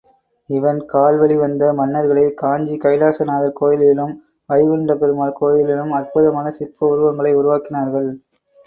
இவன் கால்வழி வந்த மன்னர்களே காஞ்சி கைலாசநாதர் கோயிலிலும், வைகுண்டப் பெருமாள் கோயிலிலும் அற்புதமான சிற்ப உருவங்களை உருவாக்கினவர்கள்.